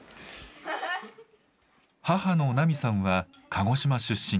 母の奈美さんは鹿児島出身。